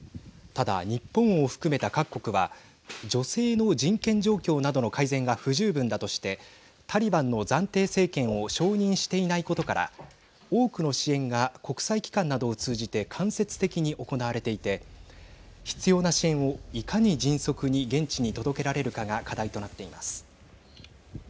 ただ、日本を含めた各国は女性の人権状況などの改善が不十分だとしてタリバンの暫定政権を承認していないことから多くの支援が国際機関などを通じて間接的に行われていて必要な支援をいかに迅速に現地に届けられるかが課題となっています。